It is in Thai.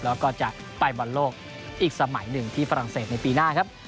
แล้วก็จะไปบอลโลกอีกสมัยหนึ่งที่ฝรั่งเศสในปีหน้าครับ